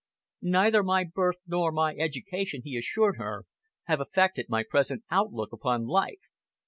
"Neither my birth nor my education," he assured her, "have affected my present outlook upon life."